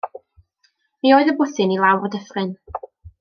Mi oedd y bwthyn i lawr y dyffryn.